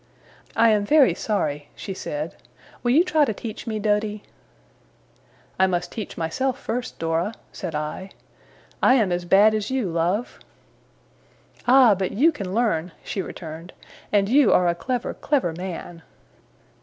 'I am very sorry,' she said. 'Will you try to teach me, Doady?' 'I must teach myself first, Dora,' said I. 'I am as bad as you, love.' 'Ah! But you can learn,' she returned; 'and you are a clever, clever man!